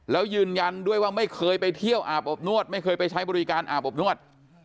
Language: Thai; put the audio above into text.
แล้วยืนยันด้วยว่าไม่เคยไปเที่ยวอาบอบนวดไม่เคยไปใช้บริการอาบอบนวด